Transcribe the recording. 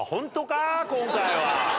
今回は。